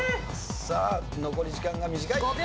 さあ残り時間が短い。